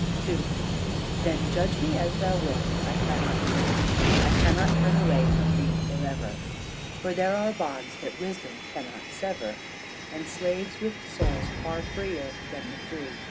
II Then judge me as thou wilt, I cannot flee, I cannot turn away from thee forever, For there are bonds that wisdom cannot sever And slaves with souls far freer than the free.